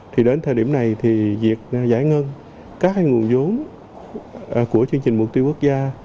thì đến thời điểm này thì việc giải ngân các nguồn giống của chương trình mục tiêu quốc gia